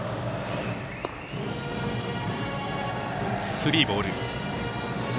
スリーボール。